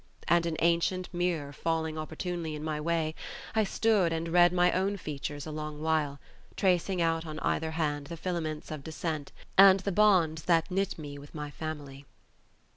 And an ancient mirror falling opportunely in my way, I stood and read my own features a long while, tracing out on either hand the filaments of descent and the bonds that knit me with my family.